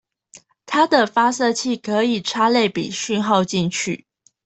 它的發射器可以插類比訊號進去